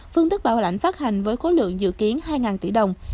phương tức bảo lãnh phát hành với khối lượng dự kiến hai tỷ đồng